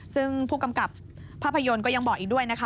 ซึ่งผู้กำกับภาพยนตร์ก็ยังบอกอีกด้วยนะคะ